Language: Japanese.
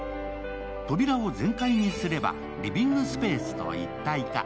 扉を全開にすればリビングスペースと一体化。